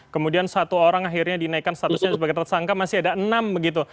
kemudian satu orang akhirnya dinaikkan statusnya sebagai tersangka masih ada enam begitu